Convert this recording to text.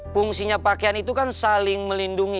fungsinya pakaian itu kan saling melindungi